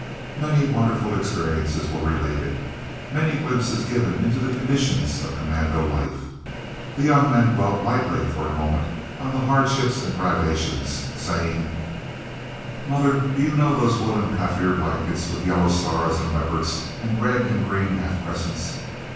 Many wonderful experiences were related, many glimpses given into the conditions of commando life. The young man dwelt lightly for a moment on his hardships and privations, saying, "Mother, do you know those woollen Kaffir blankets with yellow stars and leopards, and red and green half crescents?"